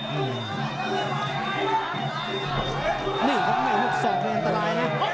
นี่เป็นไต้ออกมันถูกส่งเรียกศัลย์นะ